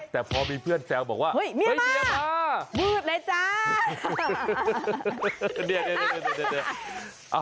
แต่พอมีเพื่อนแซวบอกว่าเฮ้ยเมียมามืดเลยจ้า